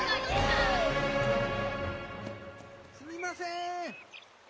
すみません！